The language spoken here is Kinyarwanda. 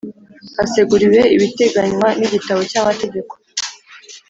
Haseguriwe ibiteganywa n igitabo cy amategeko